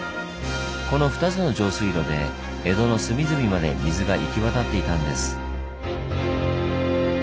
この２つの上水路で江戸の隅々まで水が行き渡っていたんです。